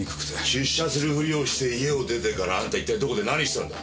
出社するふりをして家を出てからあんた一体どこで何してたんだ？